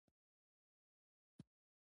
د هند د نیمې وچې په هر ځای کې دا مثالونه شته.